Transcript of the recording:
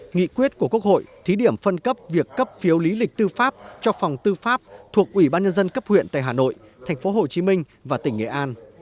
nghị quyết của quốc hội thí điểm phân cấp việc cấp phiếu lý lịch tư pháp cho phòng tư pháp thuộc ủy ban nhân dân cấp huyện tại hà nội tp hcm và tỉnh nghệ an